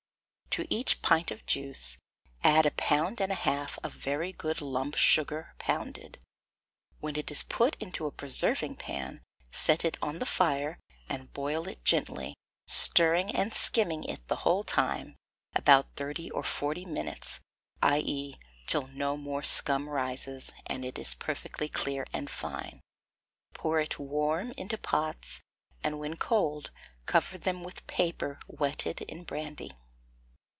To each pint of juice, add a pound and a half of very good lump sugar pounded, when it is put into a preserving pan; set it on the fire, and boil it gently, stirring and skimming it the whole time (about thirty or forty minutes), i. e. till no more scum rises, and it is perfectly clear and fine; pour it warm into pots, and when cold, cover them with paper wetted in brandy.